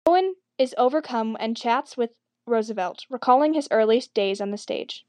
Cohan is overcome and chats with Roosevelt, recalling his early days on the stage.